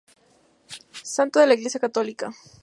Santo de la Iglesia católica.